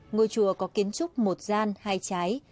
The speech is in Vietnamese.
ngôi chùa có kiến trúc một gian hai trái